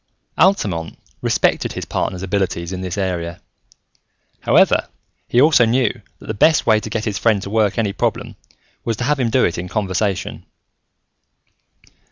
Altamont respected his partner's abilities in this area. However, he also knew that the best way to get his friend to work any problem was to have him do it in conversation.